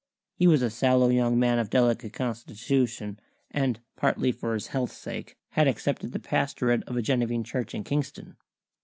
(He was a sallow young man of delicate constitution, and, partly for his health's sake, had accepted the pastorate of a Genevan church in Kingston.)